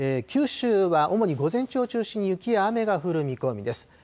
九州は主に午前中を中心に雪や雨が降る見込みです。